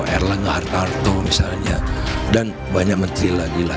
erlangga hartarto misalnya dan banyak menteri lagi lah